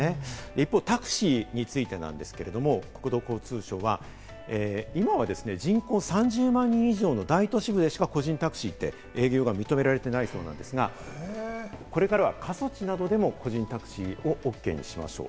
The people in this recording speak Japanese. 一方、タクシーについてなんですけれども、国土交通省は今は人口３０万人以上の大都市部でしか個人タクシーて営業が認められてないそうなんですが、これからは過疎地などでも個人タクシーをＯＫにしましょう。